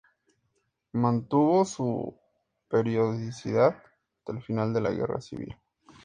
Mantuvo su periodicidad hasta el final de la Guerra Civil.